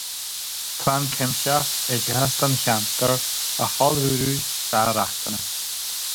Plean cuimsitheach oideachais don cheantar a sholáthróidh dá riachtanais.